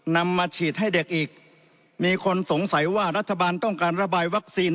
นำมาฉีดให้เด็กอีกมีคนสงสัยว่ารัฐบาลต้องการระบายวัคซีน